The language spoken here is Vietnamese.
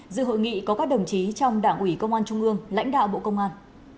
dự hội nghị có các đồng chí trong đảng ủy công an trung ương lãnh đạo bộ công an